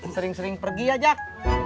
sering sering pergi ya jack